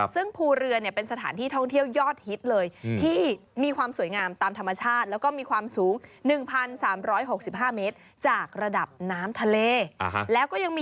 ซึ่งภูเรือเป็นสถานธิษฐ์ที่ท่องเที่ยวยอดฮิตเลย